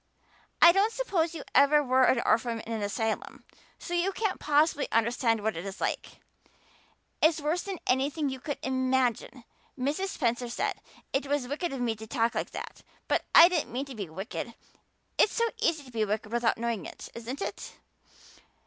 I don't suppose you ever were an orphan in an asylum, so you can't possibly understand what it is like. It's worse than anything you could imagine. Mrs. Spencer said it was wicked of me to talk like that, but I didn't mean to be wicked. It's so easy to be wicked without knowing it, isn't it?